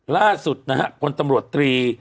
ล่าสุดนะฮะพลตำรวจตรี